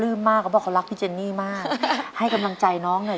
ตอนเธอทักมาทางลายชวนกันออกไปยกยายไม่แรงกับใครทั้งนั้น